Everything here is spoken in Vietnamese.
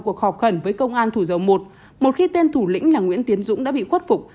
cuộc họp khẩn với công an thủ dầu một một khi tên thủ lĩnh là nguyễn tiến dũng đã bị khuất phục